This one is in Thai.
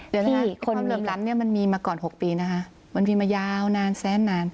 เดี๋ยวนะคะความเหลื่อมล้ำเนี่ยมันมีมาก่อน๖ปีนะคะบางทีมายาวนานแสนนาน